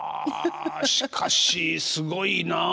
しかしすごいなあ。